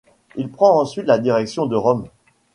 Il prend ensuite la direction de Rome.